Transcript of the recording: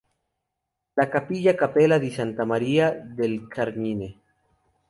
La capilla Cappella di S. María del Carmine.